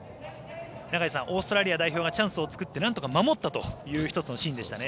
永井さん、オーストラリア代表がチャンスを作ってなんとか守ったという１つのシーンでしたね。